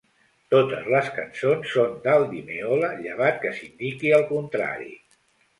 Totes les cançons són d'Al Di Meola, llevat que s'indiqui el contrari.